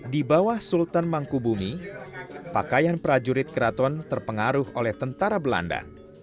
di bawah sultan mangkubumi pakaian prajurit keraton terpengaruh oleh tentara belanda